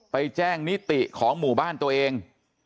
ไปแจ้งนิติของหมู่บ้านตัวเอง